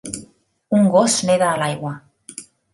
Un gos neda a l'aigua.